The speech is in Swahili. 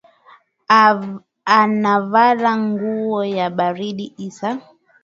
Anavala nguwo ya baridi isa